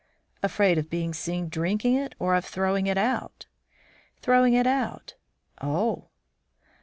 "Afraid of being seen drinking it or of throwing it out?" "Throwing it out." "Oh!"